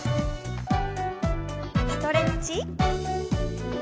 ストレッチ。